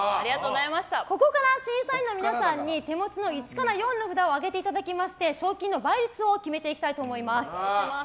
ここから審査員の皆さんに手持ちの１から４の札を上げていただきまして賞金の倍率を決めていきたいと思います。